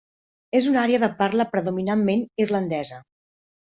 És una àrea de parla predominantment irlandesa.